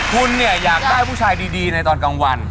คุณเนี่ยอยากได้ผู้ชายดีในตอนกลางวัน